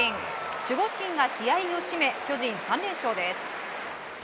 守護神が試合を締め巨人３連勝です。